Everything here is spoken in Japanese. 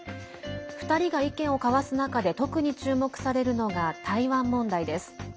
２人が意見を交わす中で特に注目されるのが台湾問題です。